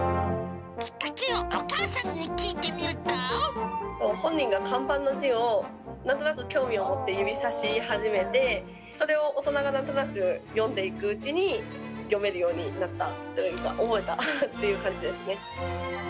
きっかけをお母さんに聞いてみる本人が看板の字をなんとなく興味を持って指さし始めて、それを大人がなんとなく読んでいくうちに、読めるようになったというか、覚えたっていう感じですね。